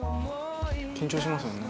緊張しますよね。